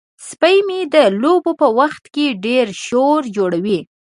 سپی مې د لوبو په وخت کې ډیر شور جوړوي.